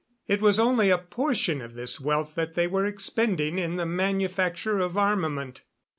It was only a portion of this wealth that they were expending in the manufacture of armament.